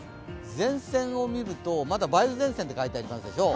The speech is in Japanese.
前線を見るとまだ梅雨前線って書いてありますでしょう。